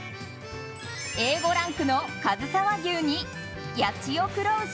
Ａ５ランクのかずさ和牛に八千代黒牛